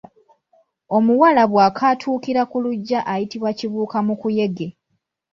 Omuwala bw’akaatuukira ku luggya ayitibwa Kibuukamukuyege.